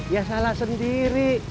ya salah sendiri